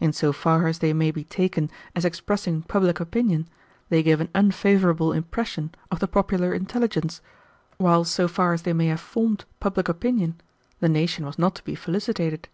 In so far as they may be taken as expressing public opinion, they give an unfavorable impression of the popular intelligence, while so far as they may have formed public opinion, the nation was not to be felicitated.